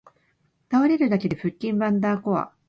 倒れるだけで腹筋ワンダーコア